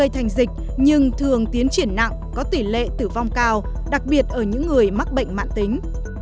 thành dịch nhưng thường tiến triển nặng có tỷ lệ tử vong cao đặc biệt ở những người mắc bệnh mạng tính